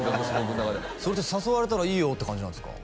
僕の中ではそれで誘われたらいいよって感じなんですか？